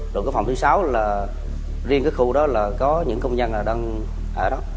rồi cái phòng thứ sáu là riêng cái khu đó là có những công dân là đang ở đó